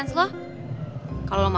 itu solidary suatu tanggungsel